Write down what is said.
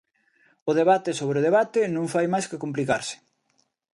O debate sobre o debate non fai máis ca complicarse.